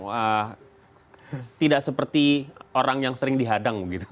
wah tidak seperti orang yang sering dihadang gitu